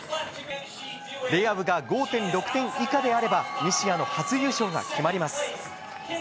レアウが５．６点以下であれば、西矢の初優勝が決まります。